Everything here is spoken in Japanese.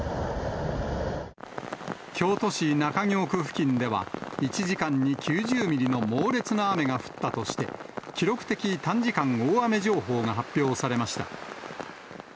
京都市中京区付近では１時間に９０ミリの猛烈な雨が降ったとして、記録的短時間大雨情報が発表されました。